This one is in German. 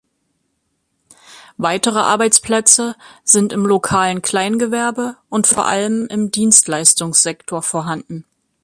Weitere Arbeitsplätze sind im lokalen Kleingewerbe und vor allem im Dienstleistungssektor vorhanden.